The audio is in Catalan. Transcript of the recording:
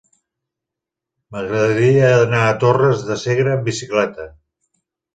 M'agradaria anar a Torres de Segre amb bicicleta.